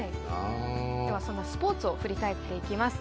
ではそのスポーツを振り返っていきます。